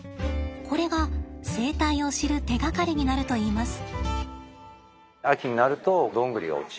これが生態を知る手がかりになるといいます。